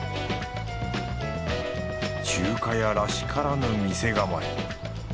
中華屋らしからぬ店構え。